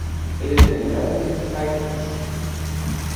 It is endemic to Cyprus.